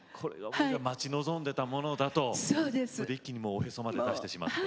待ち望んでいたものだと一気におへそまで出してしまって。